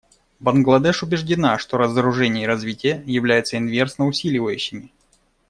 Бангладеш убеждена, что разоружение и развитие являются инверсно усиливающими.